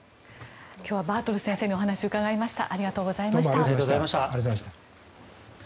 今日はバートル先生にお話をお伺いしました。